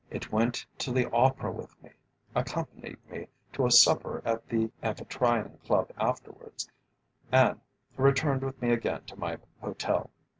It went to the Opera with me, accompanied me to a supper at the Amphitryon Club afterwards, and returned with me again to my hotel.